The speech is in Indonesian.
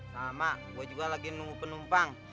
sama gue juga lagi nunggu penumpang